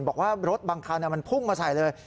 บอกว่ารถบางคันมันพุ่งมาใส่เลย